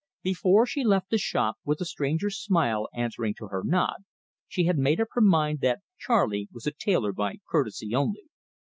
Before she left the shop, with the stranger's smile answering to her nod, she had made up her mind that Charley was a tailor by courtesy only.